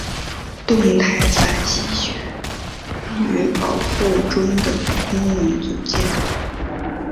动态反吸血驴保护中的功能组件。